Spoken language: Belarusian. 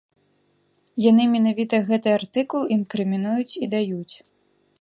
Яны менавіта гэты артыкул інкрымінуюць і даюць.